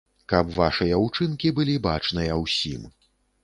Каб вашыя ўчынкі былі бачныя ўсім.